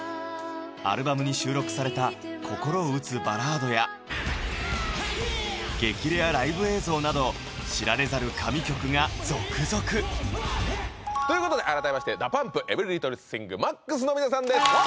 アルバムに収録された心を打つバラードや激レアライブ映像など知られざる神曲が続々！ということで改めまして「ＤＡＰＵＭＰ」「ＥｖｅｒｙＬｉｔｔｌｅＴｈｉｎｇ」「ＭＡＸ」の皆さんです